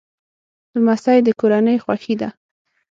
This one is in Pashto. لمسی د کورنۍ خوښي ده.